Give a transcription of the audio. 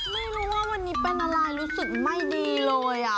ไม่รู้ว่าวันนี้เป็นอะไรรู้สึกไม่ดีเลย